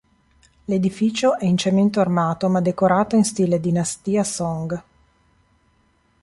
L'edificio è in cemento armato ma decorato in stile dinastia Song.